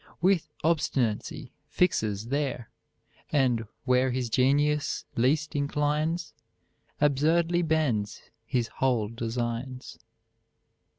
With obstinacy fixes there; And where his genius least inclines, Absurdly bends his whole designs.